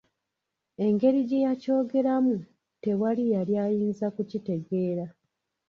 Engeri gye yakyogeramu, tewali yali ayinza kukitegeera.